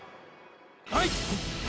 はい！